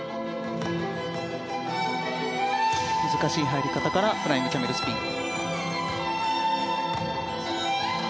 難しい入り方からフライングキャメルスピン。